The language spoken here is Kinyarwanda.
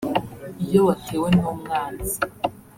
Iyo watewe n’umwanzi